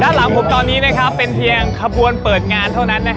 หลังผมตอนนี้เป็นเพียงขบวนเปิดงานเท่านั้น